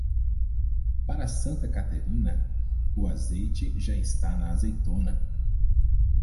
Para Santa Caterina, o azeite já está na azeitona.